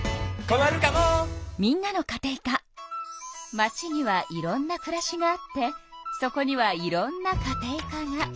街にはいろんなくらしがあってそこにはいろんなカテイカが。